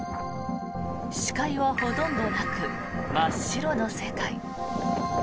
視界はほとんどなく真っ白な世界。